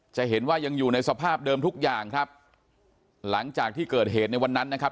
จะเห็นว่ายังอยู่ในสภาพเดิมทุกอย่างครับหลังจากที่เกิดเหตุในวันนั้นนะครับ